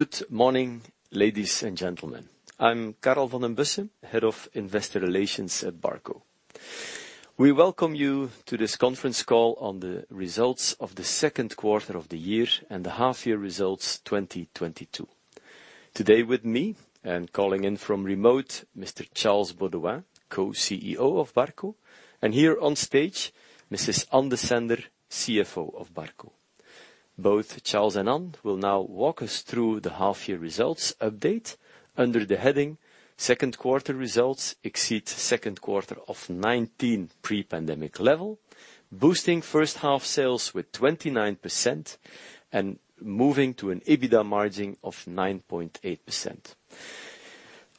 Good morning, ladies and gentlemen. I'm Karel Van den Bussche, Head of Investor Relations at Barco. We welcome you to this conference call on the results of the Q2 of the year and the half year results 2022. Today with me and calling in from remote Mr. Charles Beauduin, co-CEO of Barco, and here on stage, Mrs. Ann Desender, CFO of Barco. Both Charles and An will now walk us through the half year results update under the heading Q2 results exceed second quarter of 2019 pre-pandemic level, boosting first-half sales with 29% and moving to an EBITDA margin of 9.8%.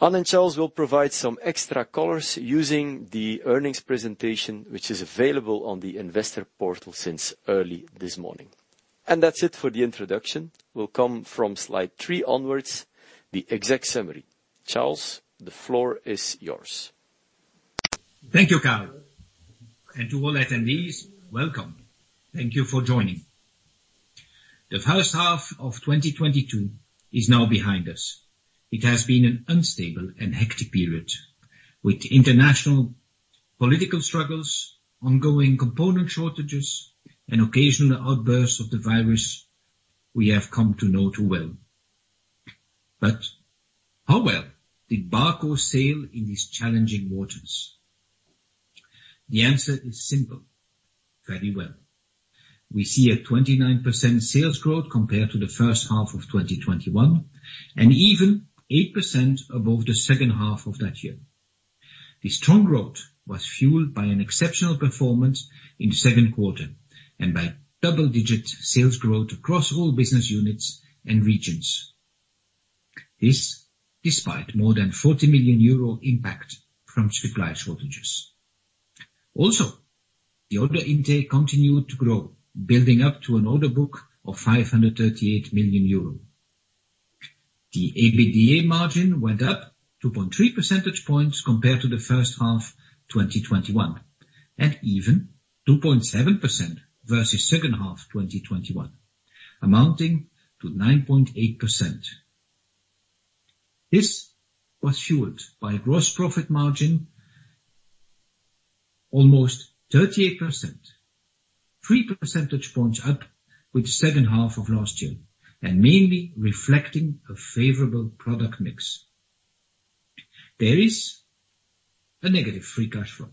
An and Charles will provide some extra colors using the earnings presentation, which is available on the investor portal since early this morning. That's it for the introduction. We'll come from slide 3 onwards. The exec summary. Charles, the floor is yours. Thank you, Karel. To all attendees, welcome. Thank you for joining. The H1 of 2022 is now behind us. It has been an unstable and hectic period. With international political struggles, ongoing component shortages, and occasional outbursts of the virus, we have come to know too well. How well did Barco sail in these challenging waters? The answer is simple, very well. We see a 29% sales growth compared to the first half of 2021, and even 8% above the second half of that year. The strong growth was fueled by an exceptional performance in the second quarter and by double-digit sales growth across all business units and regions. This despite more than 40 million euro impact from supply shortages. Also, the order intake continued to grow, building up to an order book of 538 million euro. The EBITDA margin went up 2.3 percentage points compared to the H1 2021, and even 2.7% versus second half 2021, amounting to 9.8%. This was fueled by a gross profit margin almost 38%, 3 percentage points up with the second half of last year, and mainly reflecting a favorable product mix. There is a negative free cash flow,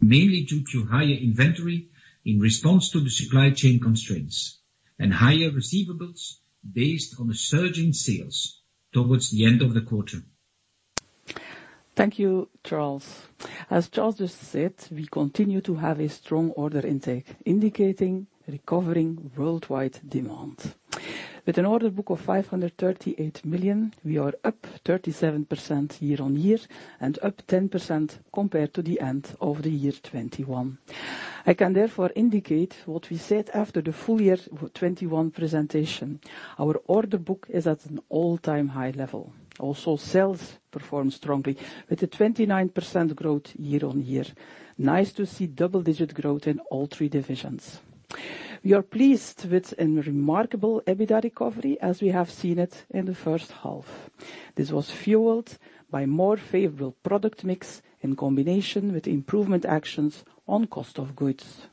mainly due to higher inventory in response to the supply chain constraints and higher receivables based on the surge in sales towards the end of the quarter. Thank you, Charles. As Charles just said, we continue to have a strong order intake, indicating recovering worldwide demand. With an order book of 538 million, we are up 37% year-on-year and up 10% compared to the end of the year 2021. I can therefore indicate what we said after the full year 2021 presentation. Our order book is at an all-time high level. Also, sales perform strongly with a 29% growth year-on-year. Nice to see double-digit growth in all three divisions. We are pleased with a remarkable EBITDA recovery as we have seen it in the first half. This was fueled by more favorable product mix in combination with improvement actions on cost of goods.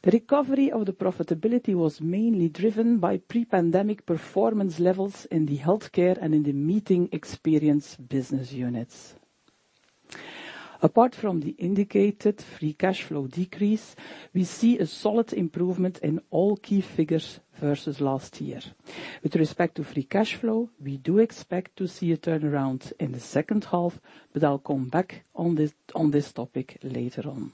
The recovery of the profitability was mainly driven by pre-pandemic performance levels in the healthcare and in the meeting experience business units. Apart from the indicated free cash flow decrease, we see a solid improvement in all key figures versus last year. With respect to free cash flow, we do expect to see a turnaround in the H2, but I'll come back on this, on this topic later on.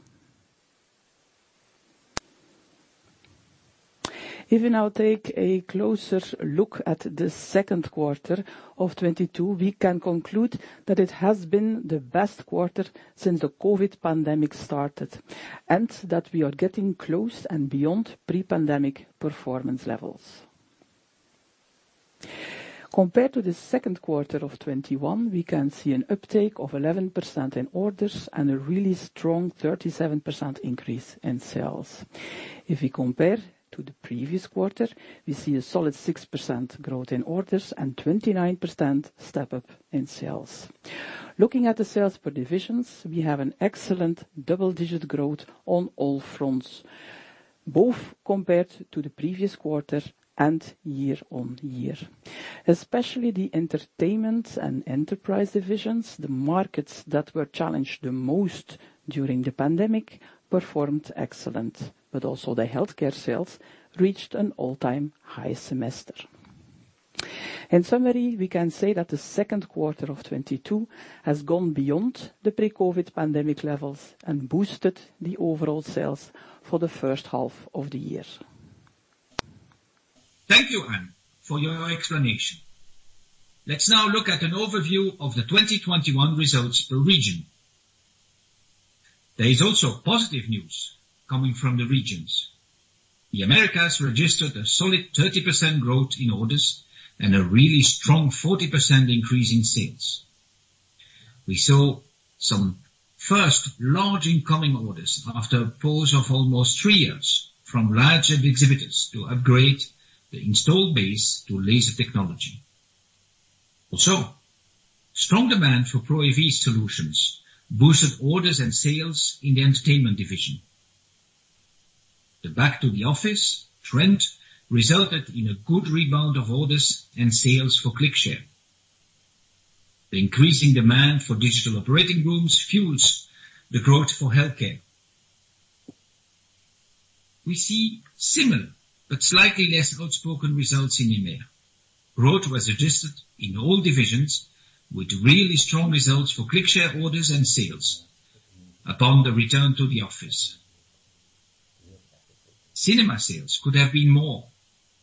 If we now take a closer look at the Q2 of 2022, we can conclude that it has been the best quarter since the COVID pandemic started, and that we are getting close and beyond pre-pandemic performance levels. Compared to theQ2 of 2021, we can see an uptake of 11% in orders and a really strong 37% increase in sales. If we compare to the previous quarter, we see a solid 6% growth in orders and 29% step up in sales. Looking at the sales per divisions, we have an excellent double-digit growth on all fronts, both compared to the previous quarter and year-on-year. Especially the entertainment and enterprise divisions, the markets that were challenged the most during the pandemic performed excellent, but also the healthcare sales reached an all-time high semester. In summary, we can say that the second quarter of 2022 has gone beyond the pre-COVID pandemic levels and boosted the overall sales for the first half of the year. Thank you, An, for your explanation. Let's now look at an overview of the 2021 results per region. There is also positive news coming from the regions. The Americas registered a solid 30% growth in orders and a really strong 40% increase in sales. We saw some first large incoming orders after a pause of almost three years from large exhibitors to upgrade the installed base to laser technology. Also, strong demand for pro AV solutions boosted orders and sales in the entertainment division. The back to the office trend resulted in a good rebound of orders and sales for ClickShare. The increasing demand for digital operating rooms fuels the growth for healthcare. We see similar but slightly less outspoken results in EMEA. Growth was achieved in all divisions with really strong results for ClickShare orders and sales upon the return to the office. Cinema sales could have been more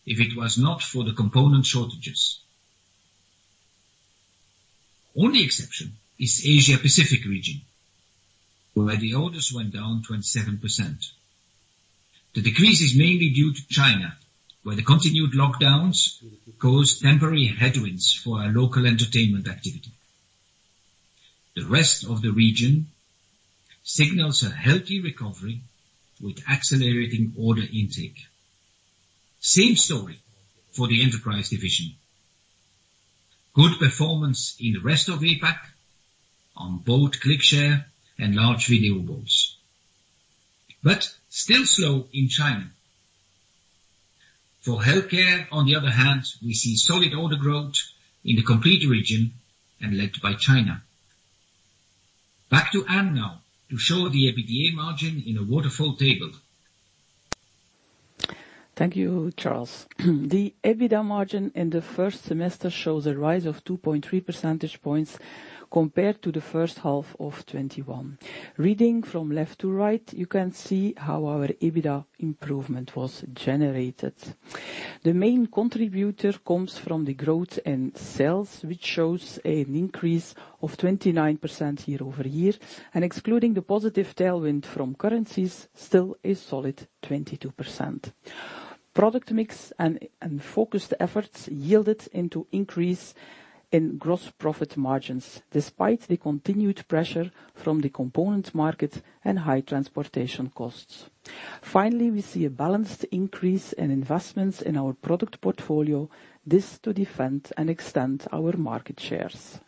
if it was not for the component shortages. Only exception is Asia Pacific region, where the orders went down 27%. The decrease is mainly due to China, where the continued lockdowns caused temporary headwinds for our local entertainment activity. The rest of the region signals a healthy recovery with accelerating order intake. Same story for the enterprise division. Good performance in the rest of APAC on both ClickShare and large video boards, but still slow in China. For healthcare, on the other hand, we see solid order growth in the complete region and led by China. Back to An now to show the EBITDA margin in a waterfall table. Thank you, Charles. The EBITDA margin in the first half shows a rise of 2.3 percentage points compared to the H1 of 2021. Reading from left to right, you can see how our EBITDA improvement was generated. The main contributor comes from the growth in sales, which shows an increase of 29% year-over-year, and excluding the positive tailwind from currencies, still a solid 22%. Product mix and focused efforts yielded an increase in gross profit margins despite the continued pressure from the component market and high transportation costs. Finally, we see a balanced increase in investments in our product portfolio, this to defend and extend our market shares.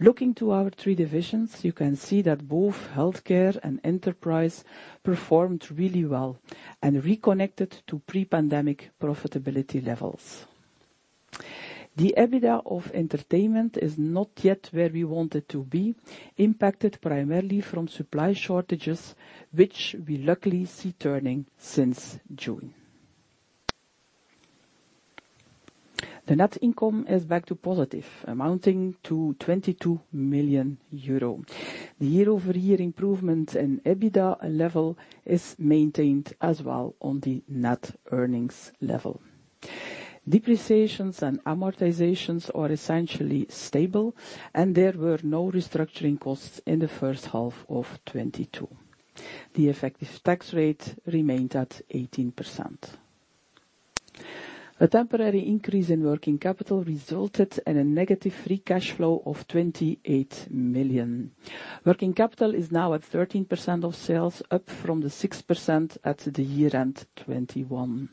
Looking to our three divisions, you can see that both healthcare and enterprise performed really well and reconnected to pre-pandemic profitability levels. The EBITDA of entertainment is not yet where we want it to be, impacted primarily from supply shortages, which we luckily see turning since June. The net income is back to positive, amounting to 22 million euro. The year-over-year improvement in EBITDA level is maintained as well on the net earnings level. Depreciations and amortizations are essentially stable, and there were no restructuring costs in the first half of 2022. The effective tax rate remained at 18%. A temporary increase in working capital resulted in a negative free cash flow of 28 million. Working capital is now at 13% of sales, up from the 6% at the year-end 2021.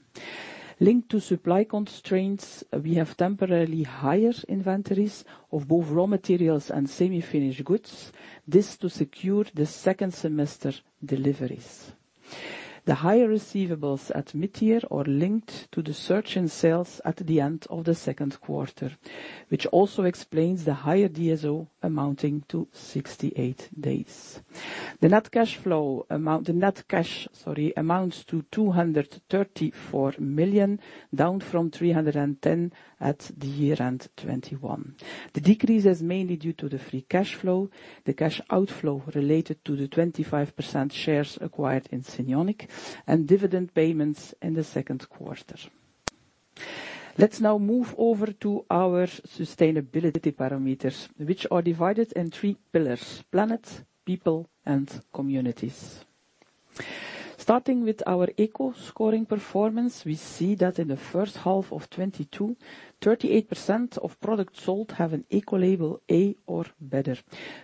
Linked to supply constraints, we have temporarily higher inventories of both raw materials and semi-finished goods. This to secure the second semester deliveries. The higher receivables at mid-year are linked to the surge in sales at the end of the Q2, which also explains the higher DSO amounting to 68 days. The net cash, sorry, amounts to 234 million, down from 310 million at the year-end 2021. The decrease is mainly due to the free cash flow, the cash outflow related to the 25% shares acquired in Cinionic, and dividend payments in the Q2. Let's now move over to our sustainability parameters, which are divided into three pillars, planet, people, and communities. Starting with our eco scoring performance, we see that in the first half of 2022, 38% of products sold have an eco label A or better,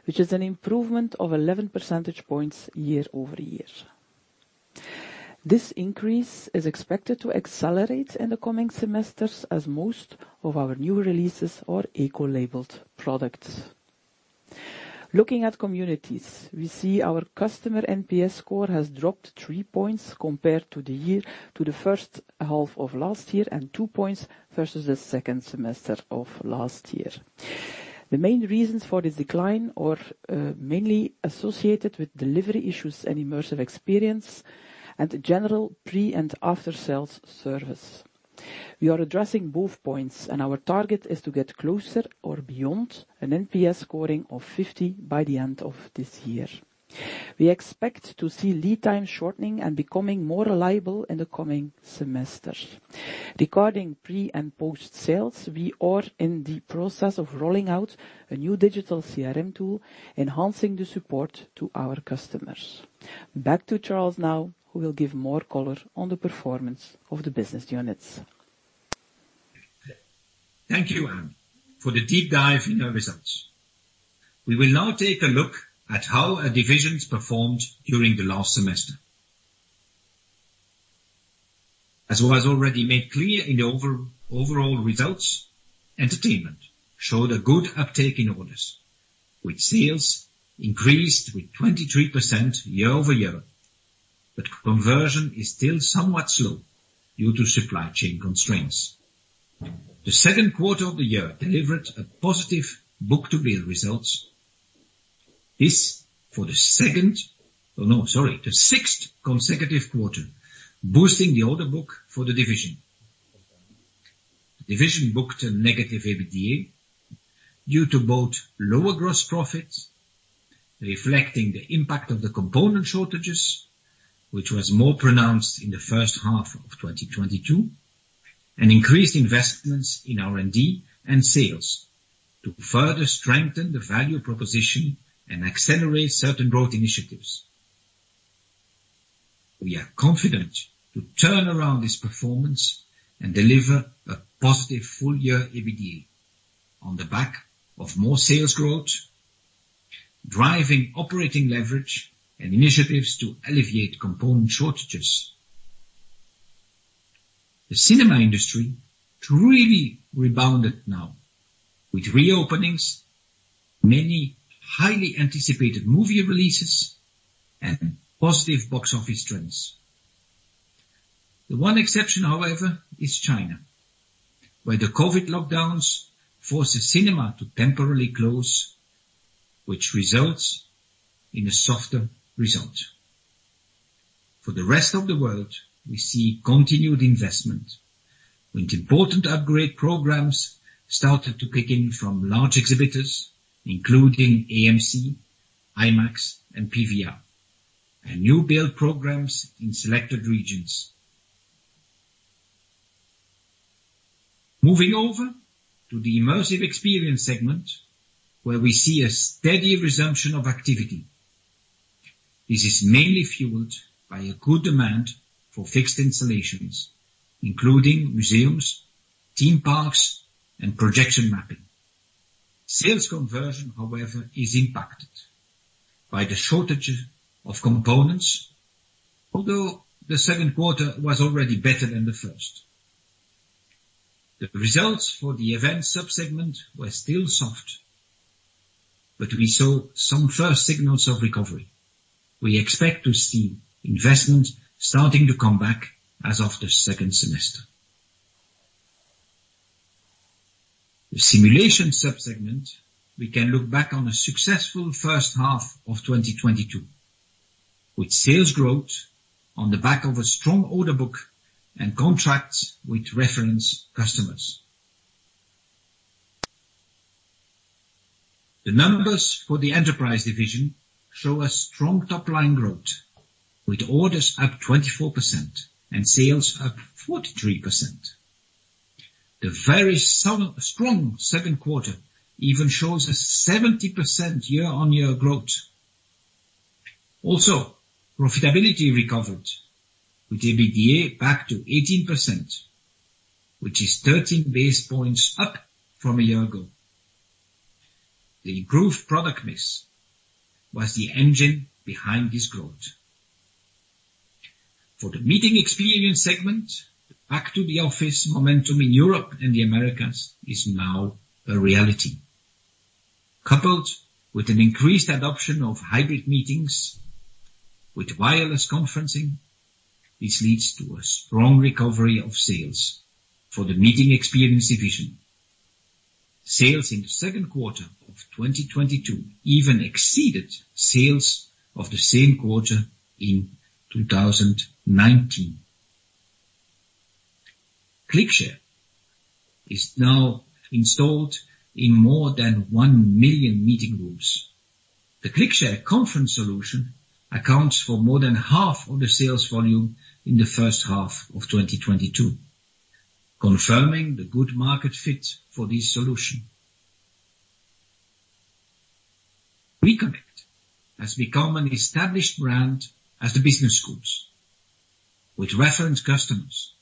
which is an improvement of 11 percentage points year-over-year. This increase is expected to accelerate in the coming semesters as most of our new releases are eco-labeled products. Looking at communities, we see our customer NPS score has dropped three points compared to the year, to the first half of last year, and two points versus the second semester of last year. The main reasons for this decline are mainly associated with delivery issues and immersive experience and general pre- and after-sales service. We are addressing both points, and our target is to get closer or beyond an NPS scoring of 50 by the end of this year. We expect to see lead time shortening and becoming more reliable in the coming semester. Regarding pre- and post-sales, we are in the process of rolling out a new digital CRM tool, enhancing the support to our customers. Back to Charles now, who will give more color on the performance of the business units. Thank you, An, for the deep dive in our results. We will now take a look at how our divisions performed during the last semester. As was already made clear in the overall results, entertainment showed a good uptake in orders, with sales increased by 23% year-over-year, but conversion is still somewhat slow due to supply chain constraints. The Q2 of the year delivered a positive book-to-bill results. This, for the sixth consecutive quarter, boosting the order book for the division. The division booked a negative EBITDA due to both lower gross profits, reflecting the impact of the component shortages, which was more pronounced in the first half of 2022, and increased investments in R&D and sales to further strengthen the value proposition and accelerate certain growth initiatives. We are confident to turn around this performance and deliver a positive full-year EBITDA on the back of more sales growth, driving operating leverage and initiatives to alleviate component shortages. The cinema industry truly rebounded now with reopenings, many highly anticipated movie releases, and positive box office trends. The one exception, however, is China, where the COVID lockdowns forced the cinema to temporarily close, which results in a softer result. For the rest of the world, we see continued investment with important upgrade programs started to kick in from large exhibitors, including AMC, IMAX, and PVR, and new build programs in selected regions. Moving over to the immersive experience segment, where we see a steady resumption of activity. This is mainly fueled by a good demand for fixed installations, including museums, theme parks, and projection mapping. Sales conversion, however, is impacted by the shortage of components. Although the Q2 was already better than the first. The results for the event sub-segment were still soft, but we saw some first signals of recovery. We expect to see investment starting to come back as of the second semester. The simulation sub-segment, we can look back on a successful H1 of 2022, with sales growth on the back of a strong order book and contracts with reference customers. The numbers for the enterprise division show a strong top-line growth with orders up 24% and sales up 43%. The strong Q2 even shows a 70% year-on-year growth. Also, profitability recovered with EBITDA back to 18%, which is 13 basis points up from a year ago. The improved product mix was the engine behind this growth. For the meeting experience segment, back to the office momentum in Europe and the Americas is now a reality. Coupled with an increased adoption of hybrid meetings with wireless conferencing, this leads to a strong recovery of sales for the meeting experience division. Sales in the Q2 of 2022 even exceeded sales of the same quarter in 2019. ClickShare is now installed in more than 1 million meeting rooms. The ClickShare Conference solution accounts for more than half of the sales volume in the H1 of 2022, confirming the good market fit for this solution. WeConnect has become an established brand as the business grows with reference customers,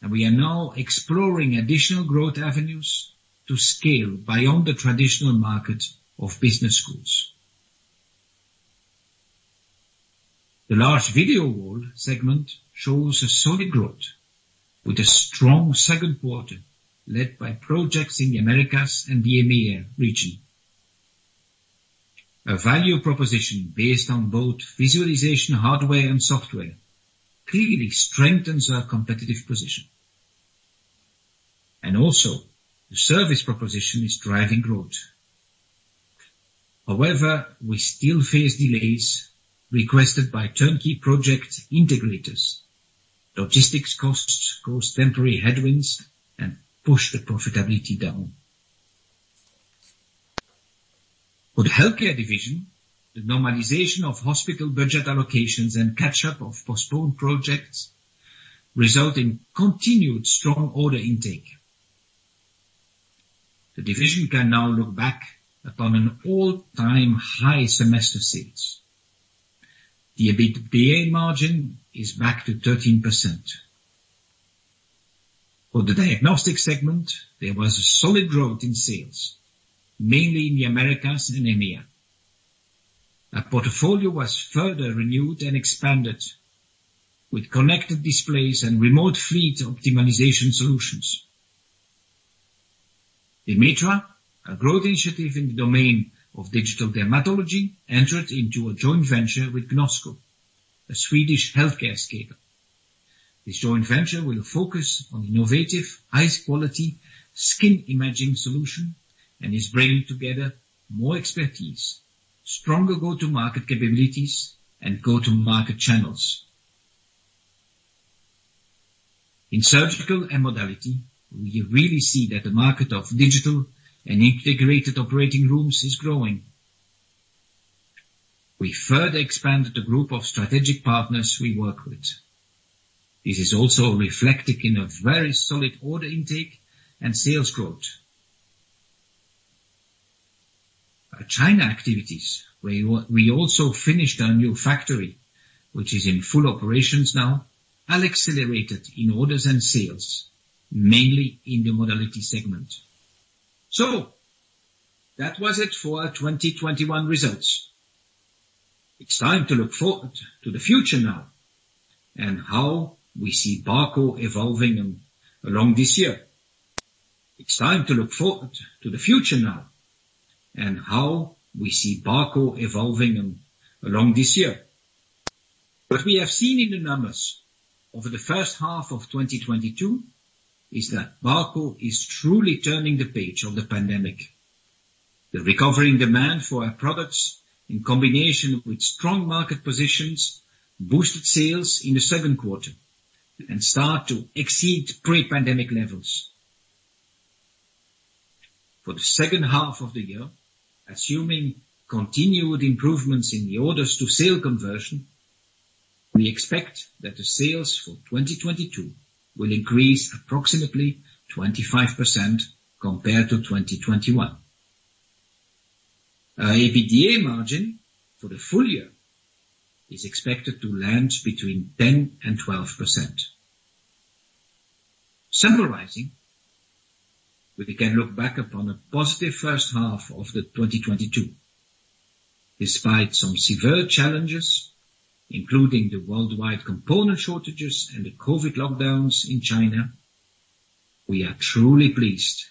and we are now exploring additional growth avenues to scale beyond the traditional market of business schools. The large video wall segment shows a solid growth with a strong second quarter led by projects in the Americas and the EMEA region. A value proposition based on both visualization, hardware and software clearly strengthens our competitive position. Also the service proposition is driving growth. However, we still face delays requested by turnkey project integrators. Logistics costs cause temporary headwinds, and push the profitability down. For the healthcare division, the normalization of hospital budget allocations and catch up of postponed projects result in continued strong order intake. The division can now look back upon an all-time high semester sales. The EBITDA margin is back to 13%. For the diagnostic segment, there was a solid growth in sales, mainly in the Americas and EMEA. Our portfolio was further renewed and expanded with connected displays and remote fleet optimization solutions. Demetra, a growth initiative in the domain of digital dermatology, entered into a joint venture with Gnosco, a Swedish healthcare company. This joint venture will focus on innovative, high quality skin imaging solution and is bringing together more expertise, stronger go-to market capabilities and go-to market channels. In surgical and modality, we really see that the market of digital and integrated operating rooms is growing. We further expanded the group of strategic partners we work with. This is also reflected in a very solid order intake and sales growth. Our China activities, we also finished our new factory, which is in full operations now, and accelerated in orders and sales, mainly in the modality segment. That was it for our 2021 results. It's time to look forward to the future now and how we see Barco evolving along this year. It's time to look forward to the future now and how we see Barco evolving in this year. What we have seen in the numbers over the H1 of 2022 is that Barco is truly turning the page on the pandemic. The recovering demand for our products in combination with strong market positions boosted sales in the second quarter and start to exceed pre-pandemic levels. For the Q2 of the year, assuming continued improvements in the orders to sale conversion, we expect that the sales for 2022 will increase approximately 25% compared to 2021. Our EBITDA margin for the full year is expected to land between 10%-12%. Summarizing, we can look back upon a positive first half of 2022. Despite some severe challenges, including the worldwide component shortages and the COVID lockdowns in China, we are truly pleased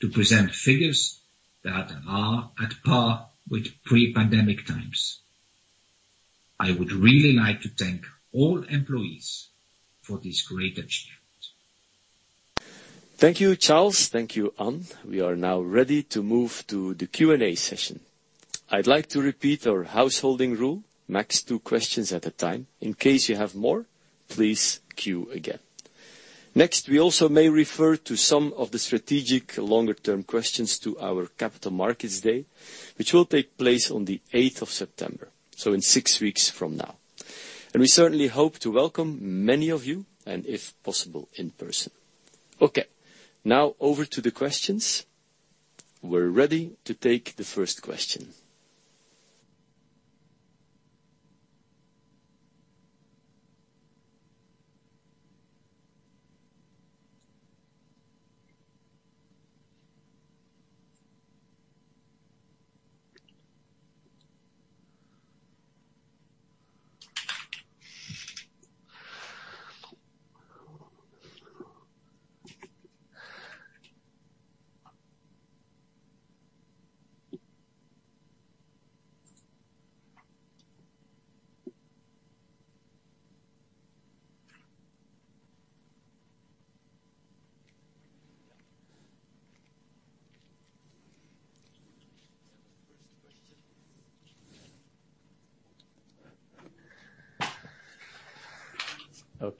to present figures that are at par with pre-pandemic times. I would really like to thank all employees for this great achievement. Thank you, Charles. Thank you, Ann. We are now ready to move to the Q&A session. I'd like to repeat our householding rule, max two questions at a time. In case you have more, please queue again. Next, we also may refer to some of the strategic longer-term questions to our Capital Markets Day, which will take place on the eighth of September, so in six weeks from now. We certainly hope to welcome many of you and if possible, in person. Okay, now over to the questions. We're ready to take the first question.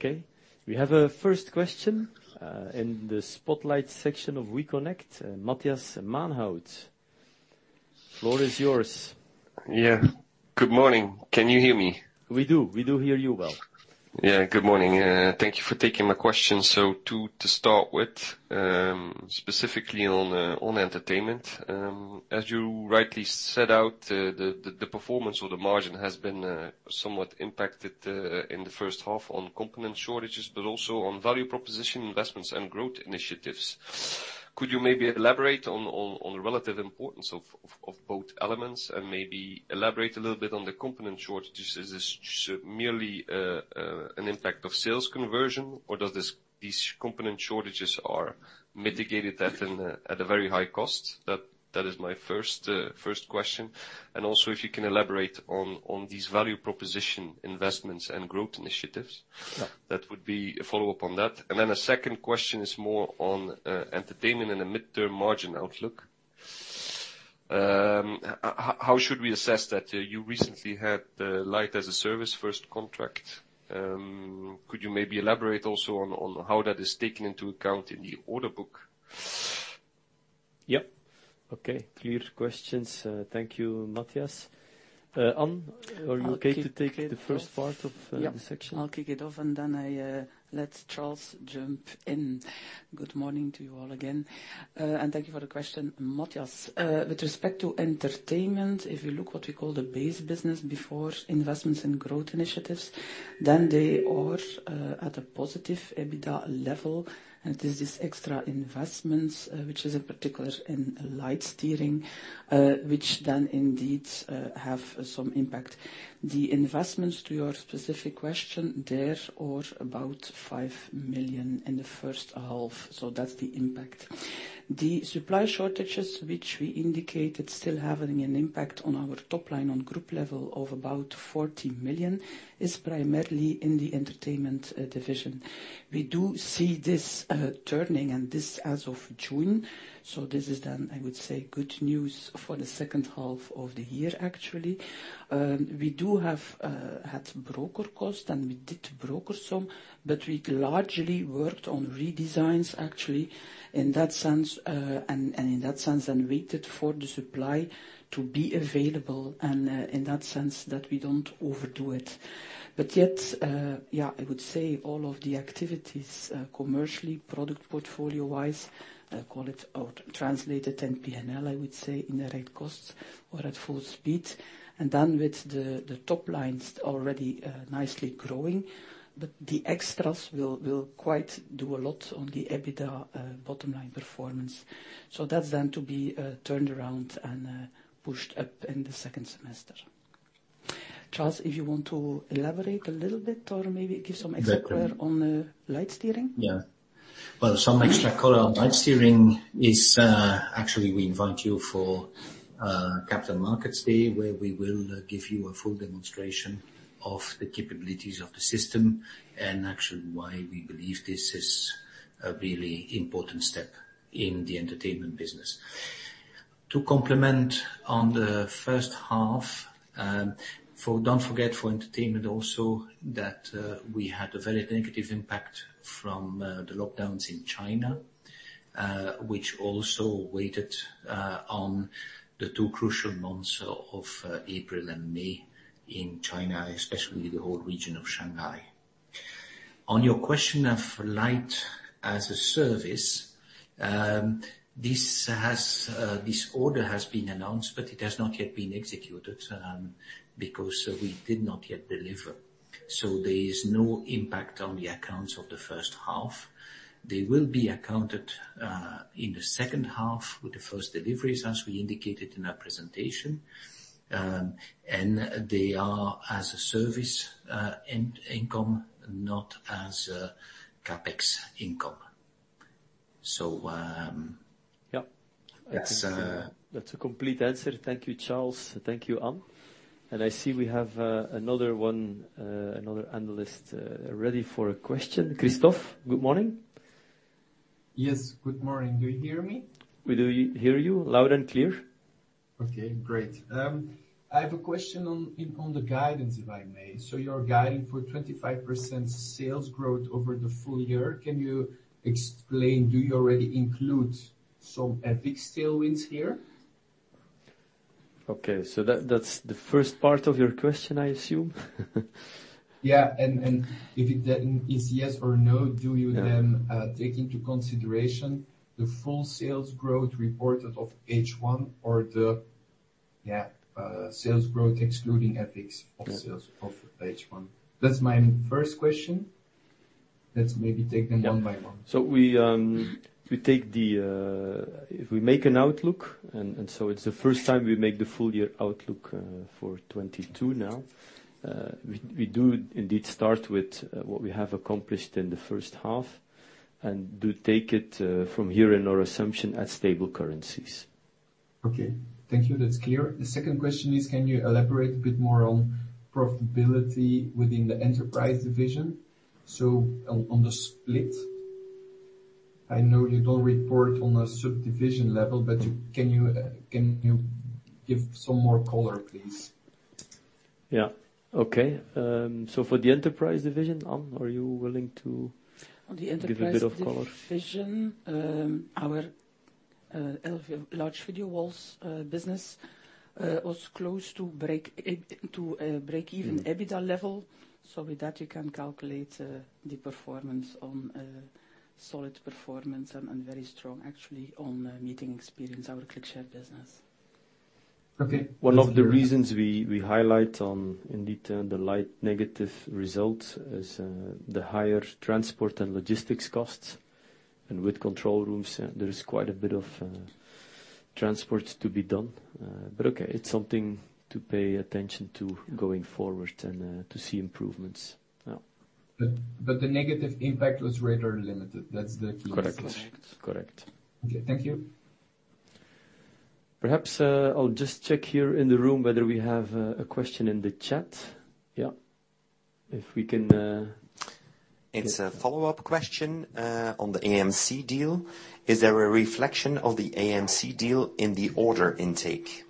Okay, we have a first question in the spotlight section of weConnect, Matthias Maenhout. Floor is yours. Yeah. Good morning. Can you hear me? We do. We do hear you well. Yeah. Good morning. Thank you for taking my question. To start with, specifically on entertainment, as you rightly set out, the performance of the margin has been somewhat impacted in the first half on component shortages, but also on value proposition investments and growth initiatives. Could you maybe elaborate on the relative importance of both elements, and maybe elaborate a little bit on the component shortages? Is this merely an impact of sales conversion, or these component shortages are mitigated at a very high cost? That is my first question. Also if you can elaborate on these value proposition investments and growth initiatives. Yeah. That would be a follow-up on that. A second question is more on entertainment and the mid-term margin outlook. How should we assess that you recently had the Cinema-as-a-Service first contract? Could you maybe elaborate also on how that is taken into account in the order book? Yep. Okay, clear questions. Thank you, Matthias. An, are you okay to take the first part of the section? Yeah. I'll kick it off, and then I let Charles jump in. Good morning to you all again. Thank you for the question, Matthias. With respect to entertainment, if you look what we call the base business before investments and growth initiatives, then they are at a positive EBITDA level, and it is this extra investments which is in particular in Lightsteering which then indeed have some impact. The investments to your specific question, there are about 5 million in the first half, so that's the impact. The supply shortages, which we indicated still having an impact on our top line on group level of about 40 million, is primarily in the entertainment division. We do see this turning and this as of June. This is then, I would say, good news for the H2 of the year, actually. We had backorder costs, and we did backorder some, but we largely worked on redesigns, actually, in that sense, and waited for the supply to be available, in that sense, that we don't overdo it. Yet, yeah, I would say all of the activities, commercially, product portfolio-wise, call it or translate it and P&L, I would say, in the right course or at full speed. Then with the top lines already nicely growing, but the extras will quite do a lot on the EBITDA bottom line performance. That's then to be turned around and pushed up in the second semester. Charles, if you want to elaborate a little bit or maybe give some extra color on the Lightsteering. Yeah. Well, some extra color on Lightsteering is, actually, we invite you for Capital Markets Day, where we will give you a full demonstration of the capabilities of the system and actually why we believe this is a really important step in the entertainment business. To comment on the first half, don't forget, for entertainment also, that we had a very negative impact from the lockdowns in China, which also weighed on the two crucial months of April and May in China, especially the whole region of Shanghai. On your question of Cinema-as-a-Service, this order has been announced, but it has not yet been executed, because we did not yet deliver. There is no impact on the accounts of the H1. They will be accounted in the H2 with the first deliveries, as we indicated in our presentation. They are as-a-service income, not as CapEx income. Yeah. It's. That's a complete answer. Thank you, Charles. Thank you, An. I see we have another one, another analyst ready for a question. Christophe, good morning. Yes, good morning. Do you hear me? We do hear you loud and clear. Okay, great. I have a question on the guidance, if I may. You're guiding for 25% sales growth over the full year. Can you explain, do you already include some FX tailwinds here? Okay. That, that's the first part of your question, I assume. Yeah. If it, that is, yes or no, do you then? Yeah Take into consideration the full sales growth reported for H1 or the sales growth excluding FX. Okay of sales of H1? That's my first question. Let's maybe take them one by one. If we make an outlook, it's the first time we make the full year outlook for 2022 now. We do indeed start with what we have accomplished in the H1 and do take it from here in our assumption at stable currencies. Okay. Thank you. That's clear. The second question is, can you elaborate a bit more on profitability within the enterprise division? So on the split. I know you don't report on a subdivision level, but can you give some more color, please? Yeah. Okay. For the enterprise division, An, are you willing to? On the Enterprise division. Give a bit of color. Our large video walls business was close to break even. Mm-hmm EBITDA level. With that you can calculate the performance on a solid performance and very strong actually on meeting experience, our ClickShare business. Okay. One of the reasons we highlight, indeed, the slightly negative results is the higher transport, and logistics costs. With control rooms, there is quite a bit of transport to be done. Okay, it's something to pay attention to going forward and to see improvements. Yeah. The negative impact was rather limited. That's the key point. Correct. Correct. Okay. Thank you. Perhaps, I'll just check here in the room whether we have a question in the chat. Yeah. If we can.It's a follow-up question, on the AMC deal. Is there a reflection of the AMC deal in the order intake?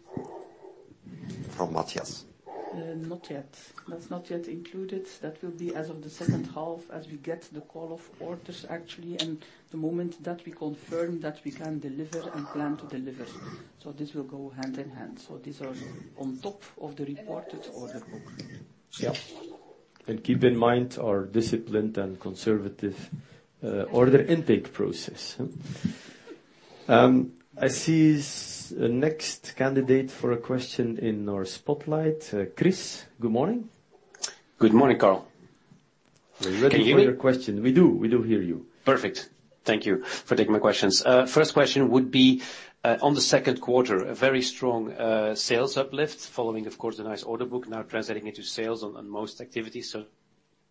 From Matthias. Not yet. That's not yet included. That will be as of the H2 as we get the call-off orders actually, and the moment that we confirm that we can deliver and plan to deliver. This will go hand in hand. These are on top of the reported order book. Yeah. Keep in mind our disciplined and conservative order intake process, huh? I see is the next candidate for a question in our spotlight. Chris, good morning. Good morning, Carl. Can you hear me? We're ready for your question. We do hear you. Perfect. Thank you for taking my questions. First question would be on the Q2, a very strong sales uplift following, of course, the nice order book now translating into sales on most activities, so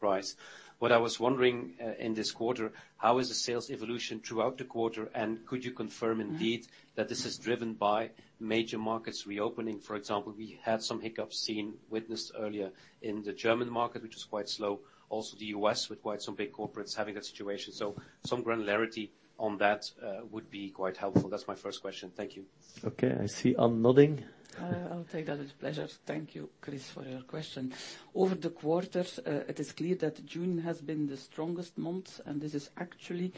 please. What I was wondering in this quarter, how is the sales evolution throughout the quarter? And could you confirm indeed that this is driven by major markets reopening? For example, we had some hiccups seen, witnessed earlier in the German market, which was quite slow. Also the US, with quite some big corporates having that situation. So some granularity on that would be quite helpful. That's my first question. Thank you. Okay, I see Ann nodding. I'll take that with pleasure. Thank you, Chris, for your question. Over the quarters, it is clear that June has been the strongest month, and this is actually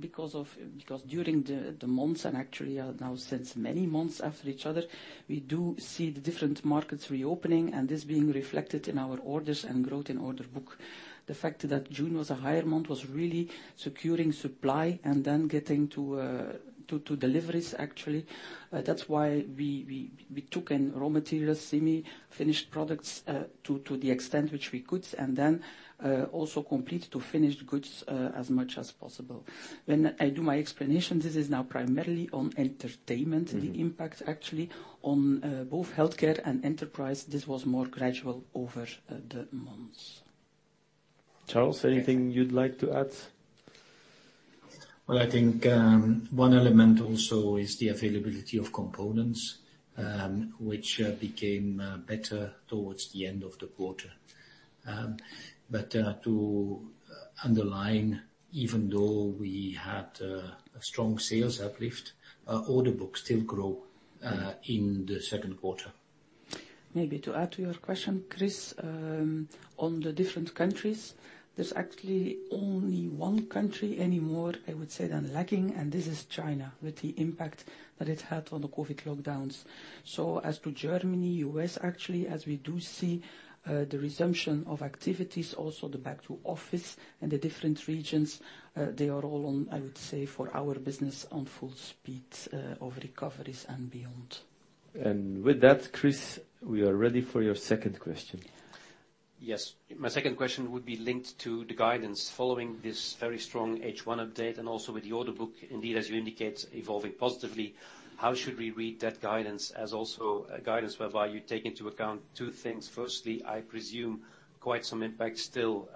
Because during the months and actually, now since many months after each other, we do see the different markets reopening and this being reflected in our orders and growth in order book. The fact that June was a higher month was really securing supply and then getting to deliveries, actually. That's why we took in raw materials, semi-finished products to the extent which we could, and then also complete to finished goods as much as possible. When I do my explanation, this is now primarily on entertainment. Mm-hmm. the impact actually on both healthcare and enterprise. This was more gradual over the months. Charles, anything you'd like to add? Well, I think one element also is the availability of components, which became better towards the end of the quarter. To underline, even though we had a strong sales uplift, our order books still grow in the second quarter. Maybe to add to your question, Chris, on the different countries, there's actually only one country anymore, I would say, that's lacking, and this is China with the impact that it had on the COVID lockdowns. As to Germany, U.S., actually, as we do see, the resumption of activities, also the back to office in the different regions, they are all on, I would say, for our business on full speed of recoveries and beyond. With that, Chris, we are ready for your second question. Yes. My second question would be linked to the guidance following this very strong H1 update and also with the order book, indeed, as you indicate, evolving positively. How should we read that guidance as also a guidance whereby you take into account two things? Firstly, I presume quite some impact still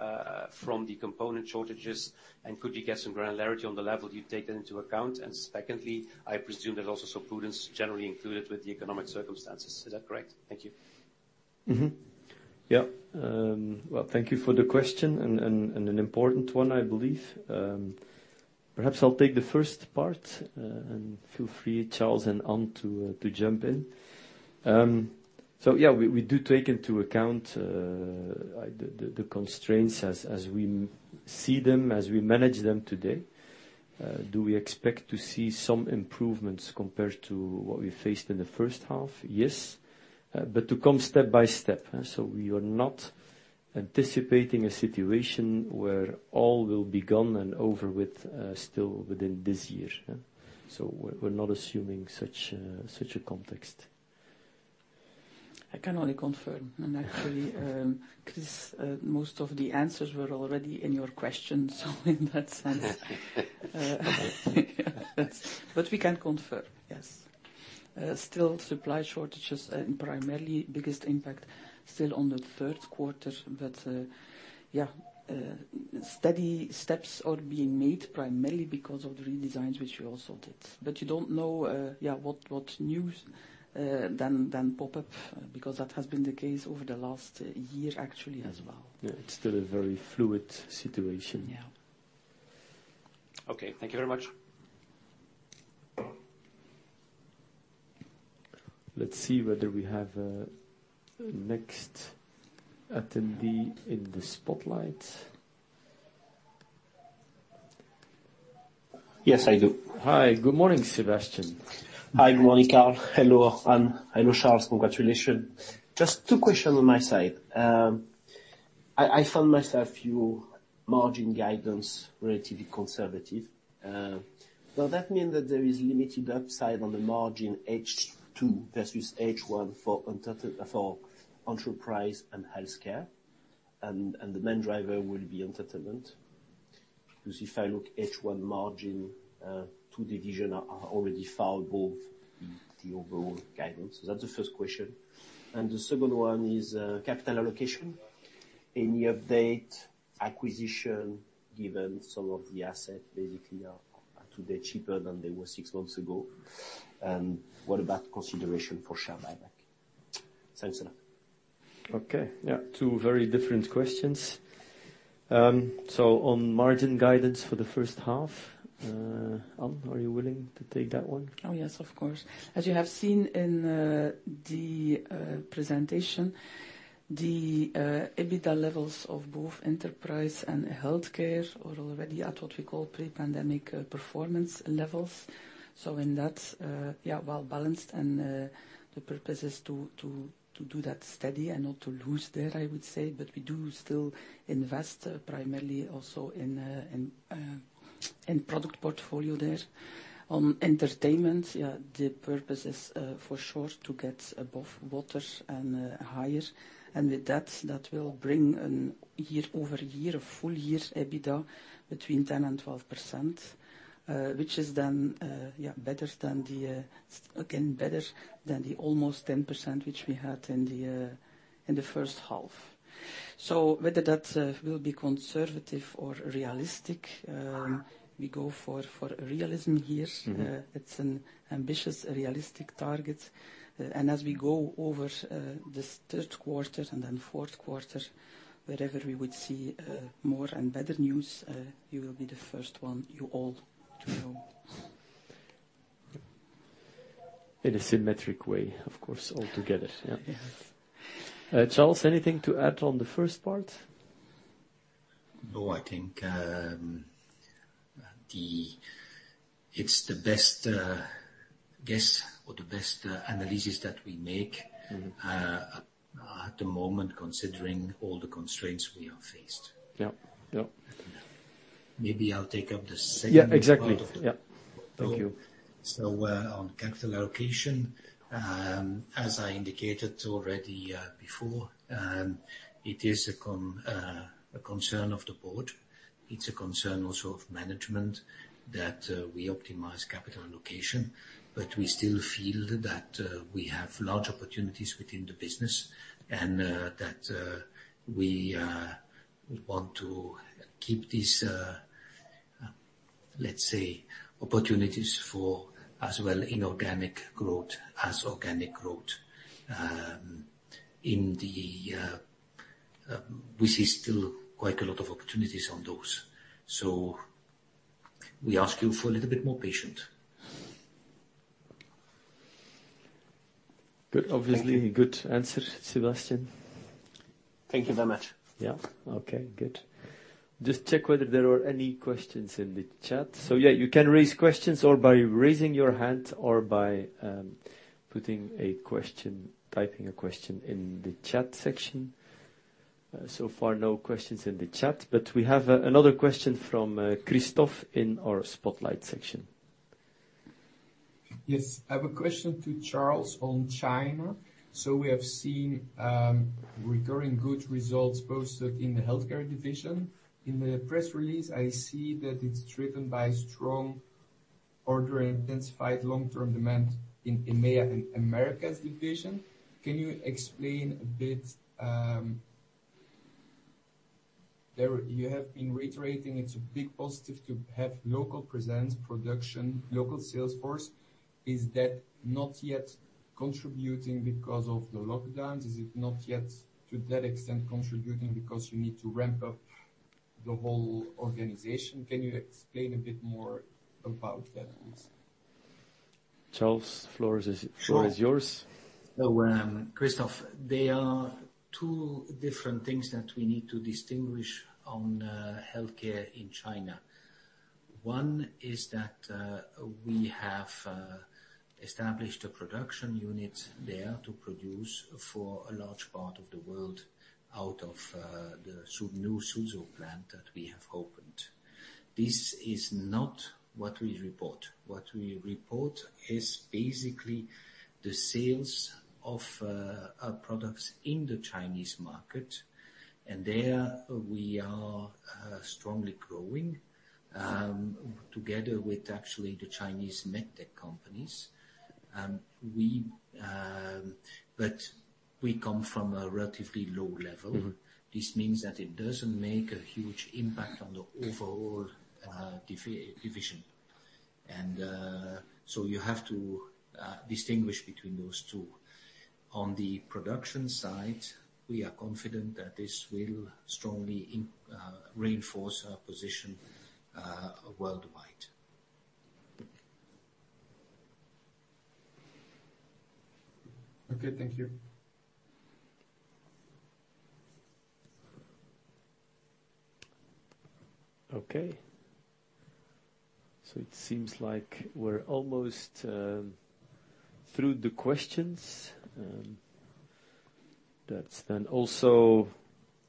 from the component shortages, and could you get some granularity on the level you've taken into account? Secondly, I presume there's also some prudence generally included with the economic circumstances. Is that correct? Thank you. Well, thank you for the question and an important one, I believe. Perhaps I'll take the first part and feel free, Charles and Ann, to jump in. We do take into account the constraints as we see them, as we manage them today. Do we expect to see some improvements compared to what we faced in the first half? Yes, but to come step by step. We are not anticipating a situation where all will be gone and over with, still within this year. We're not assuming such a context. I can only confirm. Actually, Chris, most of the answers were already in your question, so in that sense. We can confirm, yes. Still supply shortages and primarily biggest impact still on the third quarter. Steady steps are being made primarily because of the redesigns which we also did. You don't know what news then pop up because that has been the case over the last year actually as well. Yeah. It's still a very fluid situation. Yeah. Okay. Thank you very much. Let's see whether we have a next attendee in the spotlight. Yes, I do. Hi. Good morning, Sebastian. Hi. Good morning, Carl. Hello, Ann. Hello, Charles. Congratulations. Just two questions on my side. I find your margin guidance relatively conservative. Does that mean that there is limited upside on the margin H2 versus H1 for enterprise and healthcare, and the main driver will be entertainment? Because if I look H1 margin, two divisions are already far above the overall guidance. Is that the first question? And the second one is, capital allocation. Any update, acquisition, given some of the assets basically are today cheaper than they were six months ago? And what about consideration for share buyback? Thanks a lot. Okay. Yeah. Two very different questions. On margin guidance for the first half, Ann, are you willing to take that one? Oh, yes, of course. As you have seen in the presentation, the EBITDA levels of both enterprise and healthcare are already at what we call pre-pandemic performance levels. In that, well balanced and the purpose is to do that steady and not to lose there, I would say. But we do still invest primarily also in product portfolio there. On entertainment, the purpose is for sure to get above water and higher. And with that will bring a year-over-year, a full year EBITDA between 10%-12%, which is then better than the again, better than the almost 10% which we had in the in the first half. Whether that will be conservative or realistic, we go for realism here. Mm-hmm. It's an ambitious, realistic target. As we go over this Q3 and then Q4, wherever we would see more and better news, you will be the first one, you all, to know. In a symmetric way, of course, all together. Yes. Yeah. Charles, anything to add on the first part? No, I think it's the best guess or the best analysis that we make. Mm-hmm At the moment, considering all the constraints we have faced. Yep. Yep. Maybe I'll take up the second part of the. Yeah, exactly. Yeah. Thank you. On capital allocation, as I indicated already before, it is a concern of the board, it's a concern also of management that we optimize capital allocation, but we still feel that we have large opportunities within the business and that we want to keep these, let's say opportunities for as well inorganic growth as organic growth. In the, we see still quite a lot of opportunities on those. We ask you for a little bit more patience. Good. Obviously a good answer, Sebastian. Thank you very much. Yeah. Okay, good. Just check whether there are any questions in the chat. Yeah, you can raise questions or by raising your hand or by putting a question, typing a question in the chat section. So far, no questions in the chat, but we have another question from Christophe in our spotlight section. Yes. I have a question to Charles on China. We have seen recurring good results posted in the healthcare division. In the press release, I see that it's driven by strong order intake and long-term demand in EMEA and Americas division. Can you explain a bit? Where you have been reiterating it's a big positive to have local presence, production, local sales force. Is that not yet contributing because of the lockdowns? Is it not yet to that extent contributing because you need to ramp up the whole organization? Can you explain a bit more about that, please? Charles Beauduin, floor is yours. Sure. Christophe, there are two different things that we need to distinguish on healthcare in China. One is that we have established a production unit there to produce for a large part of the world out of the new Suzhou plant that we have opened. This is not what we report. What we report is basically the sales of our products in the Chinese market, and there we are strongly growing together with actually the Chinese med tech companies. But we come from a relatively low level. Mm-hmm. This means that it doesn't make a huge impact on the overall division. You have to distinguish between those two. On the production side, we are confident that this will strongly reinforce our position worldwide. Okay. Thank you. It seems like we're almost through the questions. That's then also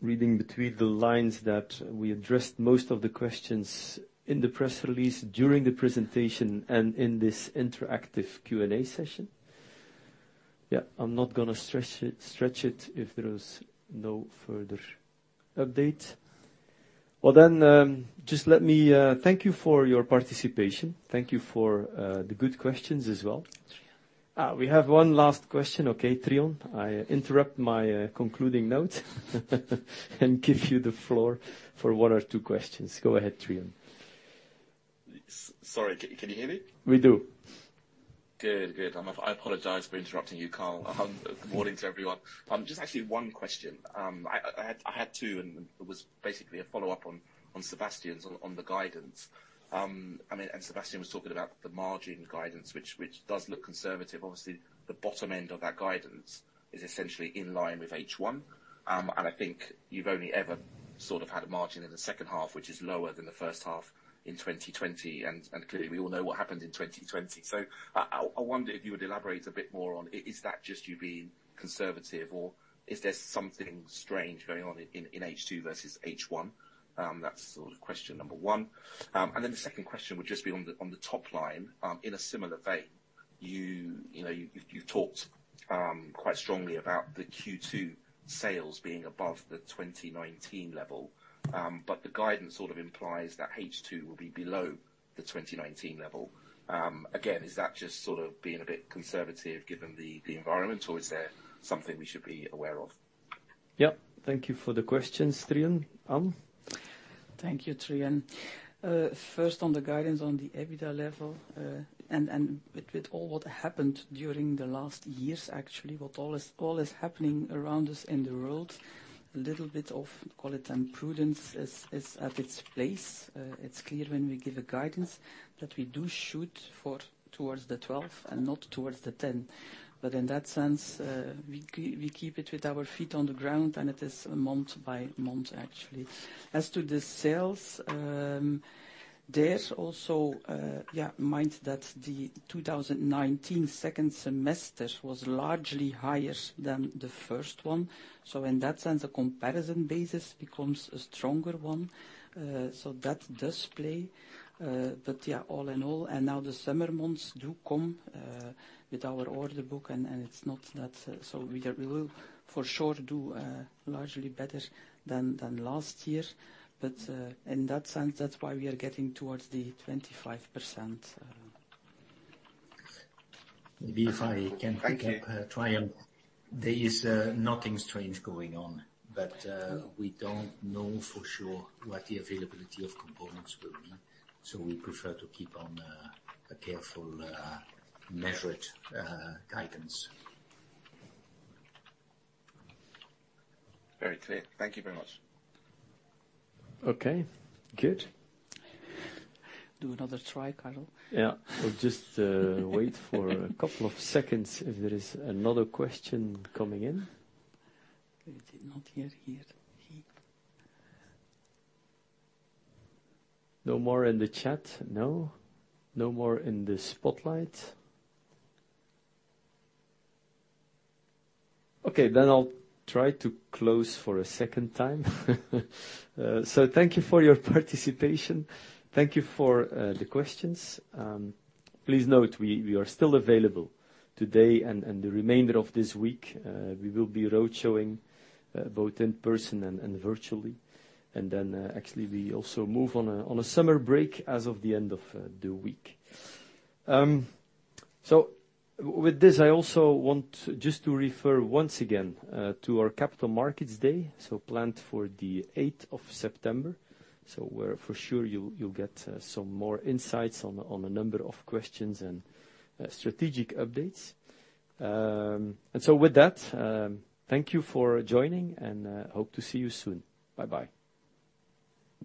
reading between the lines that we addressed most of the questions in the press release during the presentation and in this interactive Q&A session. Yeah. I'm not gonna stretch it if there is no further update. Well then, just let me thank you for your participation. Thank you for the good questions as well. We have one last question. Okay, Trion. I interrupt my concluding note and give you the floor for one or two questions. Go ahead, Trion. Sorry, can you hear me? We do. Good, good. I apologize for interrupting you, Karel. Good morning to everyone. Just actually one question. I had two and it was basically a follow-up on Sebastian's on the guidance. I mean, Sebastian was talking about the margin guidance, which does look conservative. Obviously, the bottom end of that guidance is essentially in line with H1. I think you've only ever sort of had a margin in the H2, which is lower than the H1 in 2020. Clearly, we all know what happened in 2020. I wonder if you would elaborate a bit more on is that just you being conservative or is there something strange going on in H2 versus H1. That's sort of question number one. The second question would just be on the top line, in a similar vein. You know, you've talked quite strongly about the Q2 sales being above the 2019 level. But the guidance sort of implies that H2 will be below the 2019 level. Again, is that just sort of being a bit conservative given the environment, or is there something we should be aware of? Yeah. Thank you for the questions, Trian. Thank you, Trian. First on the guidance on the EBITDA level, and with all that happened during the last years actually, all that is happening around us in the world, a little bit of, call it prudence is at its place. It's clear when we give a guidance that we do shoot for towards the 12% and not towards the 10%. In that sense, we keep it with our feet on the ground, and it is month by month actually. As to the sales, there also, mind that the 2019 second semester was largely higher than the first one. In that sense, the comparison basis becomes a stronger one. That does play. Yeah, all in all, and now the summer months do come with our order book, and it's not that. We will for sure do largely better than last year, but in that sense, that's why we are getting towards the 25%. Thank you. Maybe if I can pick up, Trian. There is nothing strange going on, but we don't know for sure what the availability of components will be, so we prefer to keep on a careful, measured guidance. Very clear. Thank you very much. Okay good. Do another try, Karel. Yeah. We'll just wait for a couple of seconds if there is another question coming in. Okay. Not yet here. No more in the chat? No. No more in the spotlight. Okay, I'll try to close for a second time. Thank you for your participation. Thank you for the questions. Please note, we are still available today and the remainder of this week. We will be road showing both in person and virtually. Actually we also move on a summer break as of the end of the week. With this, I also want just to refer once again to our Capital Markets Day, planned for the eighth of September. We're for sure you'll get some more insights on a number of questions and strategic updates. With that, thank you for joining, and hope to see you soon. Bye-bye.